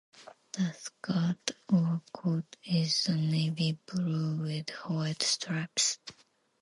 The skirt, or "corte", is a navy blue with white stripes.